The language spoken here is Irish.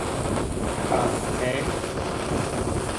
Ach cé?